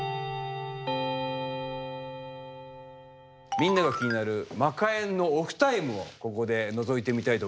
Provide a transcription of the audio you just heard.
みんなが気になるマカえんのオフタイムをここでのぞいてみたいと思います。